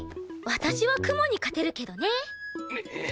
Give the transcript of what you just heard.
私はクモに勝てるけどね。